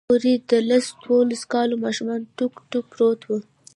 هورې د لس دولسو کالو ماشوم ټوک ټوک پروت و.